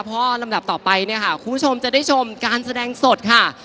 เพราะลำดับต่อไปเนี่ยค่ะคุณผู้ชมจะได้ชมการแสดงสดค่ะ